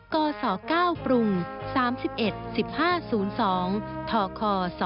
กส๙ปรุง๓๑๑๕๐๒ทค๒๕๕๘